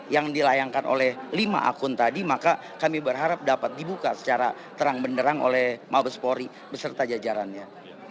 yang dilayangkan oleh lima akun tadi maka kami berharap dapat dibuka secara terang benderang oleh mabespori beserta jajarannya